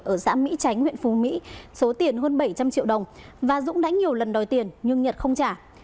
ở xã mỹ tránh huyện phú mỹ số tiền hơn bảy trăm linh triệu đồng và dũng đã nhiều lần đòi tiền nhưng nhật không trả